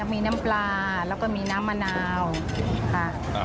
มีน้ำปลาแล้วก็มีน้ำมะนาวค่ะ